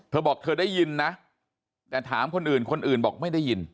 เธอบอกเธอได้ยินนะแต่ถามคนอื่นคนอื่นบอกไม่ได้ยิน